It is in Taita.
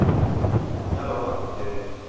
Funya lwaka kukeme